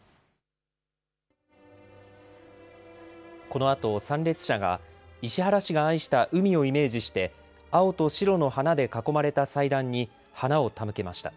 このあと参列者が石原氏が愛した海をイメージして青と白の花で囲まれた祭壇に花を手向けました。